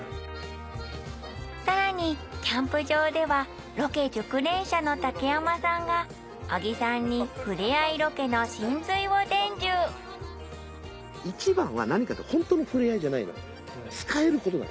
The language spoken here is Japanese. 更にキャンプ場ではケ熟練者の竹山さんが木さんに触れ合いロケの神髄を伝授番は何かっていうと本当の触れ合いじゃないの。えることなの。